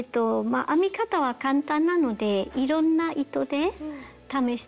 編み方は簡単なのでいろんな糸で試してほしいです。